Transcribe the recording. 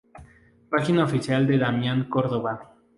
Página oficial de Damián Córdoba